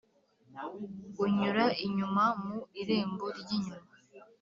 Unyura inyuma mu irembo ry inyuma